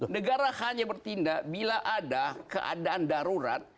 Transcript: negara hanya bertindak bila ada keadaan darurat